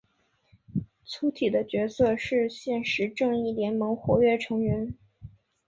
粗体的角色是现时正义联盟活跃成员。